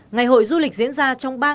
ngày hội du lịch diễn ra trong buổi lễ